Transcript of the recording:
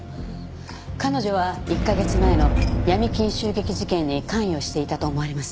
彼女は１カ月前の闇金襲撃事件に関与していたと思われます。